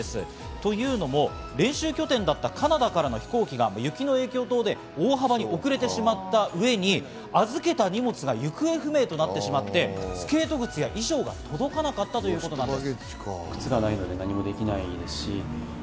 というのも、練習拠点だったカナダからの飛行機が雪の影響などで大幅に遅れてしまった上に預けた荷物が行方不明となってしまってスケート靴や衣装が届かなかったというんです。